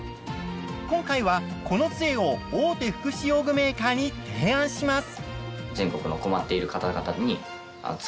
今回はこのつえを大手福祉用具メーカーに提案します。